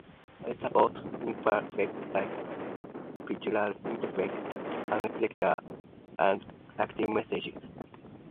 It supports interfaces like Virtual Interface Architecture and Active messages.